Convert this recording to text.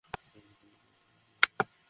ইতিহাসও বিস্ময় নেত্রে চেয়ে থাকে।